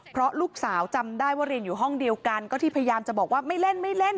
เพราะลูกสาวจำได้ว่าเรียนอยู่ห้องเดียวกันก็ที่พยายามจะบอกว่าไม่เล่นไม่เล่น